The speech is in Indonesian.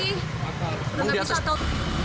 nggak bisa tau